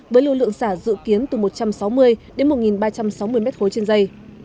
với lưu lượng xả dự kiến từ một trăm sáu mươi đến một ba trăm sáu mươi m ba trên dây